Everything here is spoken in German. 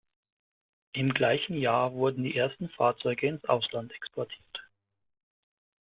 Im gleichen Jahr wurden die ersten Fahrzeuge ins Ausland exportiert.